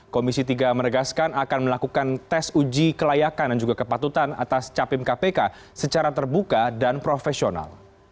komisi tiga meregaskan akan melakukan tes uji kelayakan dan juga kepatutan atas capim kpk secara terbuka dan profesional